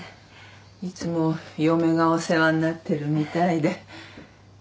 いつも嫁がお世話になってるみたいで。